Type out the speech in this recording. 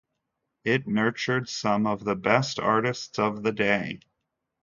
It nurtured some of the best artists of the day.